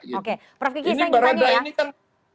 ini berada ini kan